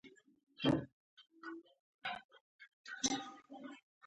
د جزایي اجراآتو د قانون د توشېح په